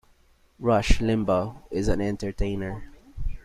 Rush Limbaugh is an entertainer.